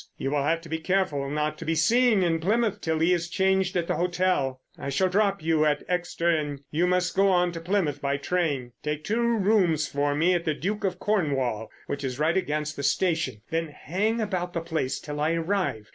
You will have to be careful not to be seen in Plymouth till he has changed at the hotel. I shall drop you at Exeter and you must go on to Plymouth by train; take two rooms for me at the 'Duke of Cornwall,' which is right against the station, and then hang about the place till I arrive.